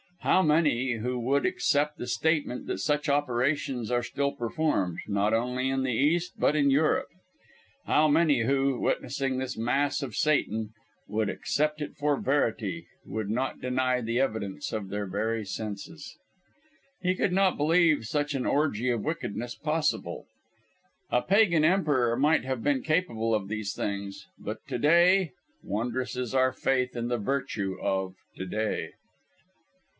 How many who would accept the statement that such operations are still performed, not only in the East, but in Europe? How many who, witnessing this mass of Satan, would accept it for verity, would not deny the evidence of their very senses? He could not believe such an orgie of wickedness possible. A Pagan emperor might have been capable of these things, but to day wondrous is our faith in the virtue of "to day!"